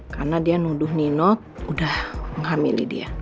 karena dia nuduh nino udah menghamili dia